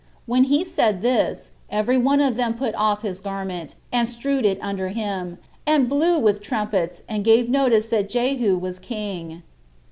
When he had said this, every one of them put off his garment, 15 and strewed it under him, and blew with trumpets, and gave notice that Jehu was king.